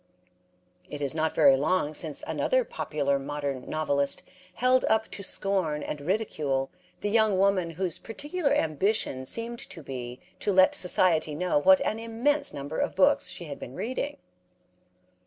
It is not very long since another popular modern novelist held up to scorn and ridicule the young woman whose particular ambition seemed to be to let society know what an immense number of books she had been reading.